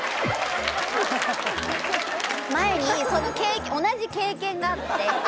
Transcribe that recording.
前に同じ経験があって。